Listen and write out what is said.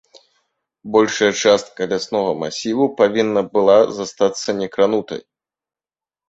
Большая частка ляснога масіву павінна была застацца некранутай.